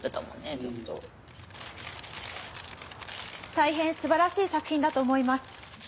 大変素晴らしい作品だと思います。